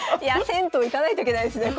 銭湯行かないといけないですね